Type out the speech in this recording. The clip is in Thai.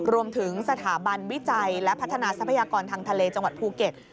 รวมถึงสถาบันวิจัยและพัฒนาทรัพยากรทางทะเลจังหวัดภูเก็ต